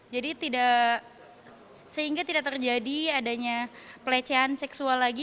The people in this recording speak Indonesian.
jadi tidak sehingga tidak terjadi adanya pelecehan seksual lagi